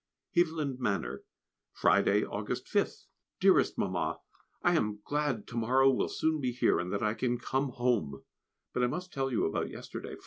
Heaviland Manor, Friday, August 5th. Dearest Mamma, I am glad to morrow will soon be here, and that I can come home, but I must tell you about yesterday.